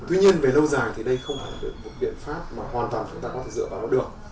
tuy nhiên về lâu dài thì đây không phải một biện pháp mà hoàn toàn chúng ta có thể dựa vào nó được